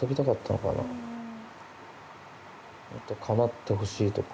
もっと構ってほしいとか。